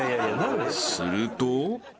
［すると］